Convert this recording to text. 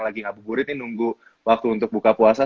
saya buburin ini nunggu waktu untuk buka puasa